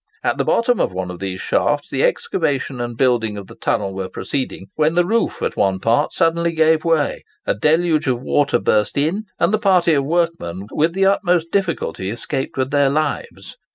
At the bottom of one of these shafts the excavation and building of the tunnel were proceeding, when the roof at one part suddenly gave way, a deluge of water burst in, and the party of workmen with the utmost difficulty escaped with their lives.